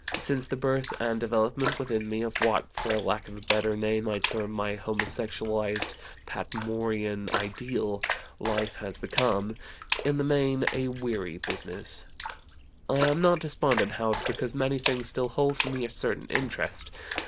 Since the birth and development within me of what, for lack of a better name, I term my homosexualized Patmorean ideal, life has become, in the main, a weary business. I am not despondent, however, because many things still hold for me a certain interest.